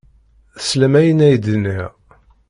Teslam ayen ay d-nniɣ.